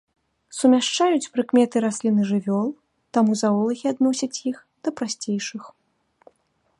Сумяшчаюць прыкметы раслін і жывёл, таму заолагі адносяць іх да прасцейшых.